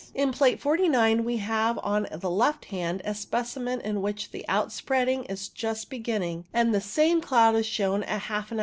In Plate 49 we have on the left hand a specimen in which the outspreading is just begin ning, and the same cloud is shown half an hour